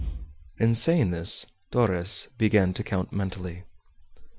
In saying this Torres began to count mentally.